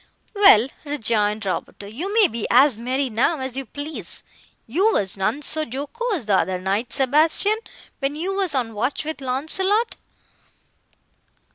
"Well," rejoined Roberto, "you may be as merry now, as you please; you were none so jocose the other night, Sebastian, when you were on watch with Launcelot."